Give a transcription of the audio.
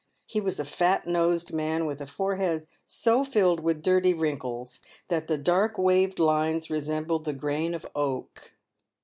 He was a fat nosed man, with a forehead so filled with dirty wrinkles that the dark waved lines resembled the grain of oak.